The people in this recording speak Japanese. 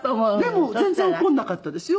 でも全然怒んなかったですよ。